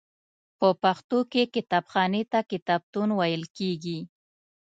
په پښتو کې کتابخانې ته کتابتون ویل کیږی.